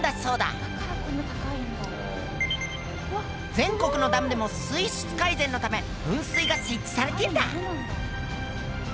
全国のダムでも水質改善のため噴水が設置されてんだ！